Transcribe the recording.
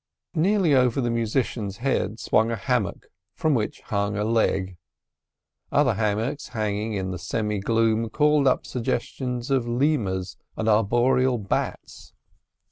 Nearly over the musician's head swung a hammock from which hung a leg; other hammocks hanging in the semi gloom called up suggestions of lemurs and arboreal bats.